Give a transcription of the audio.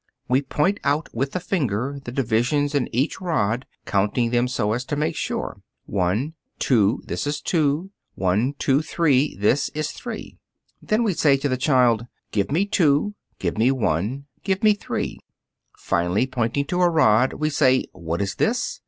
We point out with the finger the divisions in each rod, counting them so as to make sure, "One, two: this is two." "One, two, three: this is three." Then we say to the child: "Give me two." "Give me one." "Give me three." Finally, pointing to a rod, we say, "What is this?"